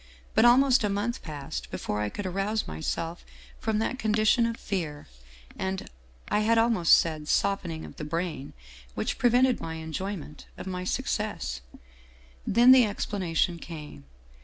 But almost a month passed before I could arouse myself from that con dition of fear and I had almost said, softening of the brain which prevented my enjoyment of my success. " Then the explanation came.